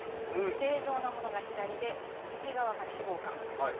正常なものが左で右側が脂肪肝。